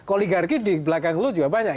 oligarki di belakang lu juga banyak